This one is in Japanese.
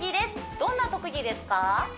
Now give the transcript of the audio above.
どんな特技ですか？